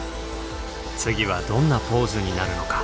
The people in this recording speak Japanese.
次はどんなポーズになるのか？